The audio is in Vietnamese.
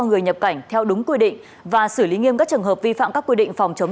người nhập cảnh theo đúng quy định và xử lý nghiêm các trường hợp vi phạm các quy định phòng chống